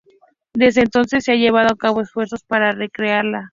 Desde entonces, se han llevado a cabo esfuerzos para re-crearla.